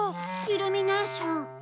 イルミネーション。